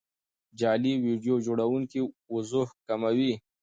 جعلي ویډیو جوړونکي وضوح کموي.